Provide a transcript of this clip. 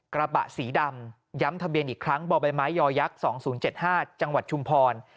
กระบะสีดำย้ำทะเบียนอีกครั้งบ่อใบไม้ยอยักษ์๒๐๗๕จังหวัดชุมพร